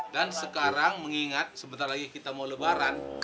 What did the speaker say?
dan sekarang mengingat sebentar lagi kita mau lebaran